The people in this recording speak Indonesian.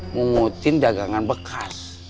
mungutin dagangan bekas